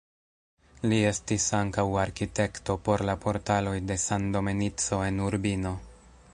Li estis ankaŭ arkitekto por la portaloj de San Domenico en Urbino.